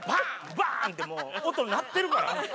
バン！ってもう音鳴ってるから。